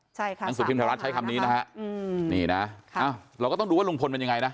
นังสือพิมพ์ไทยรัฐใช้คำนี้นะฮะนี่นะเราต้องดูว่าลุงพลเป็นยังไงนะ